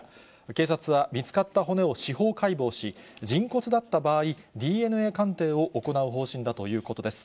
警察は、見つかった骨を司法解剖し、人骨だった場合、ＤＮＡ鑑定を行う方針だということです。